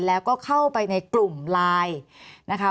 แล้วก็เข้าไปในกลุ่มไลน์นะคะ